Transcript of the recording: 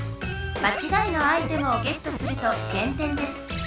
まちがいのアイテムをゲットするとげんてんです。